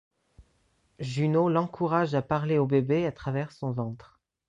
Juno l’encourage à parler au bébé à travers son ventre.